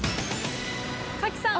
賀喜さん